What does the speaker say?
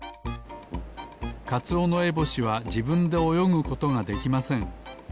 カツオノエボシはじぶんでおよぐことができません。